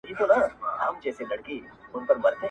زما یادیږي د همدې اوبو پر غاړه-